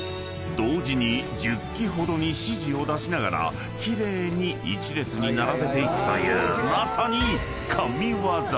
同時に１０機ほどに指示を出しながら奇麗に１列に並べていくというまさに］